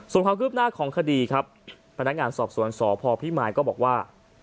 ส่วนความคืบหน้าของคดีครับพนักงานสอบสวนสพพิมายก็บอกว่า